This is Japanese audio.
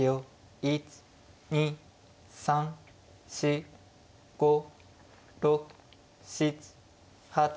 １２３４５６７８９。